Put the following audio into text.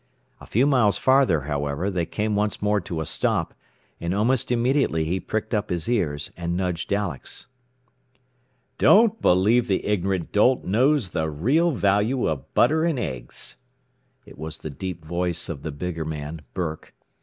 A few miles farther, however, they came once more to a stop, and almost immediately he pricked up his ears and nudged Alex. "... don't believe the ignorant dolt knows the real value of butter and eggs." It was the deep voice of the bigger man, Burke.